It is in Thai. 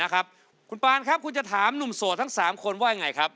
คุณปานครับคุณจะถามหนุ่มโสดทั้ง๓คนว่ายังไงครับ